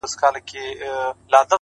اوس چي د مځكي كرې اور اخيستـــــى؛